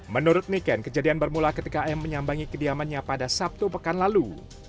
menurut niken kejadian bermula ketika m menyambangi kediamannya pada sabtu pekan lalu